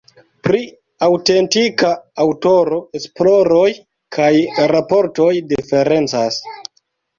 Pri aŭtentika aŭtoro esploroj kaj raportoj diferencas.